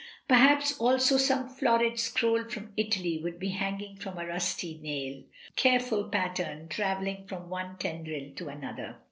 Perhaps also some florid scroll from Italy would be hanging from a rusty nail, with careful pattern travelling from one tendril to another.